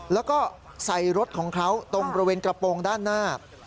แล้วก็ใส่รถของเขาตรงบริเวณกระโปรงด้านหน้า